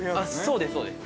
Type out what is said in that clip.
◆そうです、そうです。